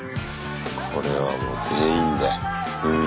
これはもう全員でうん。